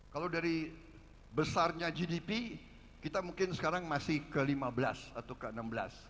kalau dari besarnya gdp kita mungkin sekarang masih ke lima belas atau ke enam belas